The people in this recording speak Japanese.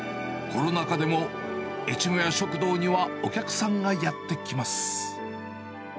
コロナ禍でも、越後屋食堂にはお客さんがやって来ます。